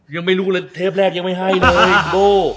ยังไม่รู้เลยเทปแรกยังไม่ให้เลยโบ้